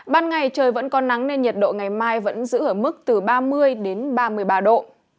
ban ngày trời vẫn có nắng nên nhiệt độ ngày mai vẫn giữ ở mức từ ba mươi đến ba mươi ba độ